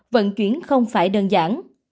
vận chuyển không phải đơn giản